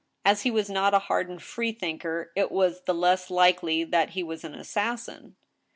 As he was not a hardened freethinker, it was the less likely that he was an assassin.